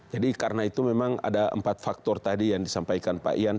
jadi karena itu memang ada empat faktor tadi yang disampaikan pak ian